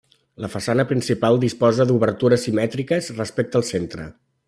La façana principal disposa d'obertures simètriques respecte al centre.